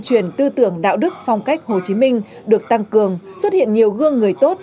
truyền tư tưởng đạo đức phong cách hồ chí minh được tăng cường xuất hiện nhiều gương người tốt